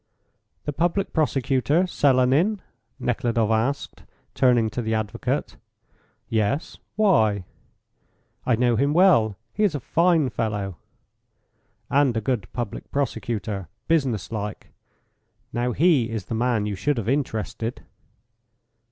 "The public prosecutor Selenin?" Nekhludoff asked, turning to the advocate. "Yes. Why?" "I know him well. He is a fine fellow." "And a good public prosecutor; business like. Now he is the man you should have interested."